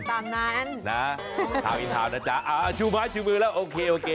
ตามนั้นนะทาวอินทาวน์นะจ๊ะอ่าชูไม้ชูมือแล้วโอเคโอเค